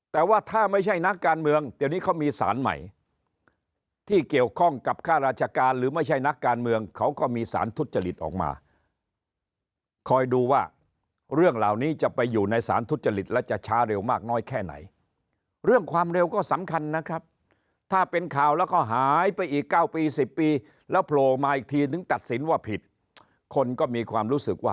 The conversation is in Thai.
แต่ว่าถ้าไม่ใช่นักการเมืองเดี๋ยวนี้เขามีสารใหม่ที่เกี่ยวข้องกับค่าราชการหรือไม่ใช่นักการเมืองเขาก็มีสารทุจริตออกมาคอยดูว่าเรื่องเหล่านี้จะไปอยู่ในสารทุจริตและจะช้าเร็วมากน้อยแค่ไหนเรื่องความเร็วก็สำคัญนะครับถ้าเป็นข่าวแล้วก็หายไปอีก๙ปี๑๐ปีแล้วโผล่มาอีกทีนึงตัดสินว่าผิดคนก็มีความรู้สึกว่า